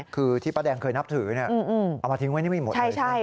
คือที่ป้าแดงเคยนับถือเอามาทิ้งไว้นี่ไม่หมดเลย